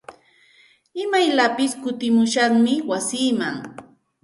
Imayllapis kutimushaqmi wasiiman.